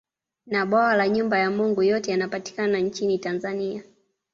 Na Bwawa la Nyumba ya Mungu yote yanapatikana nchini Tanzania